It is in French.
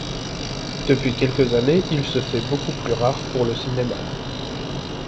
Depuis quelques années, il se fait beaucoup plus rare pour le cinéma.